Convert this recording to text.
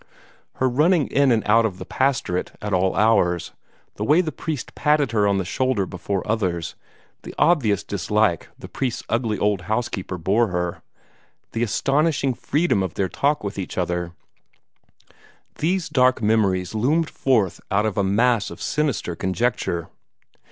Her running in and out of the pastorate at all hours, the way the priest patted her on the shoulder before others, the obvious dislike the priest's ugly old housekeeper bore her, the astonishing freedom of their talk with each other these dark memories loomed forth out of a mass of sinister conjecture.